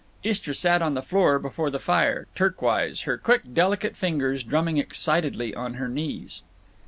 Istra sat on the floor before the fire, Turk wise, her quick delicate fingers drumming excitedly on her knees.